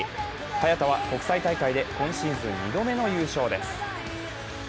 早田は国際大会で今シーズン２度目の優勝です。